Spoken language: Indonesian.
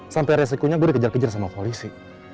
sampai resikonya gue dikejar kejar sama polisi